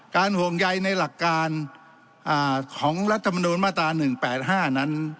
ห่วงใยในหลักการของรัฐมนุนมาตรา๑๘๕นั้น